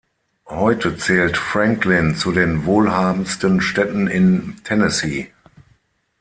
Heute zählt Franklin zu den wohlhabendsten Städten in Tennessee.